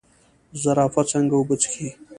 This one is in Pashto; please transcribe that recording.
زرافه څنګه اوبه څښي؟